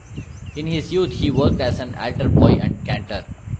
In his youth he worked as an altar boy and cantor.